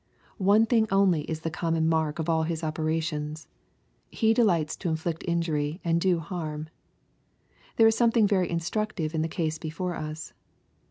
One thing only is the common mark of all his operations, — ^he delights to inflict injury and do harm. There is something very instructive in the case before us.